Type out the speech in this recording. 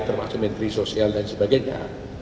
termasuk menteri sosial dan sebagainya